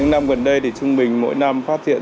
những năm gần đây thì chung bình mỗi năm phát triển